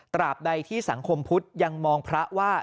บใดที่สังคมพุทธยังมองพระว่า